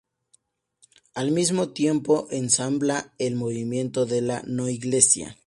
Al mismo tiempo ensambla el movimiento de la No-Iglesia.